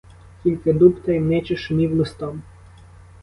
Тільки дуб таємниче шумів листом.